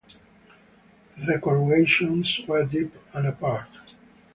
The corrugations were deep and apart.